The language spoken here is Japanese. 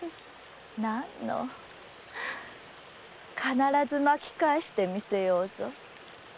なんの必ず巻き返してみせようぞ。